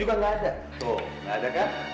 tidak tidak tidak tidak ada kecoanya tidak ada kecoanya ya